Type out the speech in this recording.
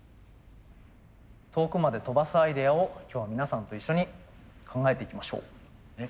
遠くまで飛ばすアイデアを今日は皆さんと一緒に考えていきましょう。